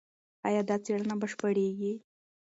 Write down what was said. ایا دا څېړنه بشپړېږي؟